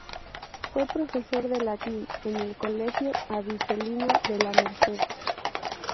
Fue profesor de latín en el colegio avilesino de La Merced.